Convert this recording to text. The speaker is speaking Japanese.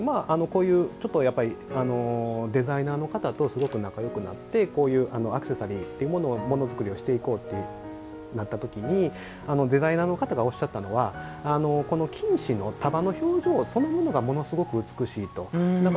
それでデザイナーの方とすごく仲よくなってこういうアクセサリーのものづくりをしていこうとなった時にデザイナーの方がおっしゃったのは金糸の束の表情そのものがものすごく美しいと。